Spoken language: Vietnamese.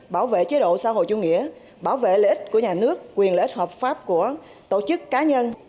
bảo vệ chế độ xã hội chủ nghĩa bảo vệ lợi ích của nhà nước quyền lợi ích hợp pháp của tổ chức cá nhân